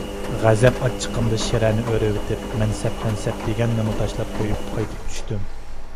غەزەپ ئاچچىقىمدا شىرەنى ئۆرۈۋېتىپ، مەنسەپ - پەنسەپ دېگەننىمۇ تاشلاپ قويۇپ قايتىپ چۈشتۈم.